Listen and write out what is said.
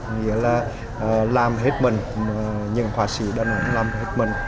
nghĩa là làm hết mình những họa sĩ đà nẵng làm hết mình